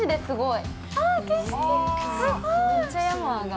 すごい！